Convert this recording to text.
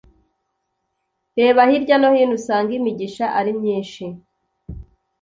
reba hirya no hino usange imigisha ari myinshi